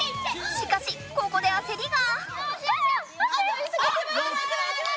しかしここであせりが。